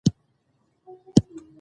تعلیم نجونو ته د زراعتي پرمختګ لارې ښيي.